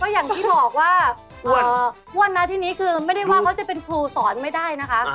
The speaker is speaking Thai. อย่างที่บอกว่าอ้วนนะที่นี้คือไม่ได้ว่าเขาจะเป็นครูสอนไม่ได้นะคะ